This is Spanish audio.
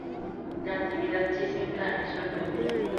La actividad sísmica es frecuente.